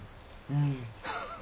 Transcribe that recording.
うん。